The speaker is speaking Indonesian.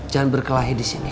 jangan berkelahi di sini